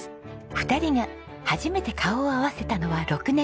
２人が初めて顔を合わせたのは６年前。